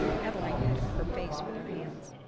, Adeline hid her face with her hands.